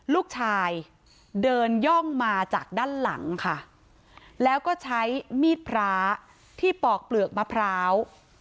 ลูกชายเดินย่องมาจากด้านหลังค่ะแล้วก็ใช้มีดพระที่ปอกเปลือกมะพร้าว